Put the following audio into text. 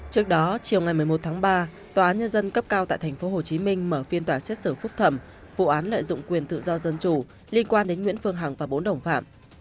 trước đó chiều ngày một mươi một tháng ba tòa án nhân dân cấp cao tại tp hcm mở phiên tòa xét xử phúc thẩm vụ án lợi dụng quyền tự do dân chủ liên quan đến nguyễn phương hằng và bốn đồng phạm